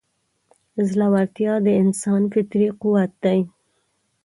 زړهورتیا د انسان فطري قوت دی.